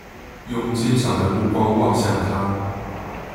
用堅強的目光望向他